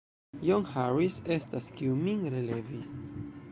John Harris estas, kiu min relevis.